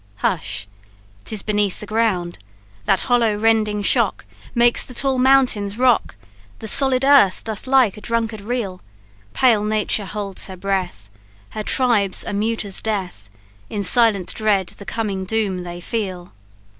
"Hush! 'tis beneath the ground, That hollow rending shock, Makes the tall mountains rock, The solid earth doth like a drunkard reel; Pale nature holds her breath, Her tribes are mute as death. In silent dread the coming doom they feel."